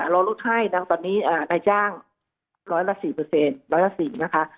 รอลูกค่ายตอนนี้ได้จ้าง๑๐๐ละ๔